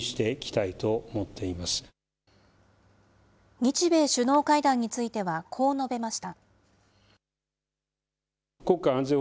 日米首脳会談については、こう述べました。